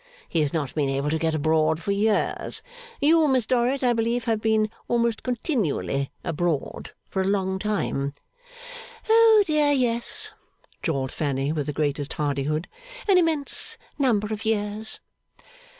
He has not been able to get abroad for years. You, Miss Dorrit, I believe have been almost continually abroad for a long time.' 'Oh dear yes,' drawled Fanny, with the greatest hardihood. 'An immense number of years.